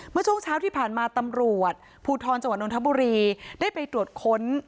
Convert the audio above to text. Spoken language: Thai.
เมื่อช่วงเช้าที่ผ่านมาตำรวจภูทรจังหวัดนทบุรีได้ไปตรวจค้น